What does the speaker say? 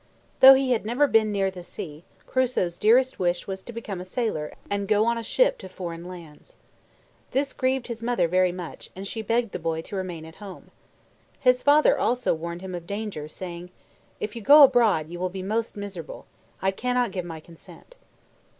Though he had never been near the sea, Crusoe's dearest wish was to become a sailor and go on a ship to foreign lands. This grieved his mother very much, and she begged the boy to remain at home. His father also warned him of danger, saying, "If you go abroad, you will be most miserable. I cannot give my consent."